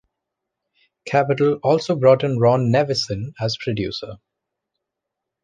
Capitol also brought in Ron Nevison as producer.